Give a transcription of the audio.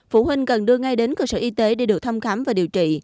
phụ huynh cần đưa ngay đến cơ sở y tế để được thăm khám và điều trị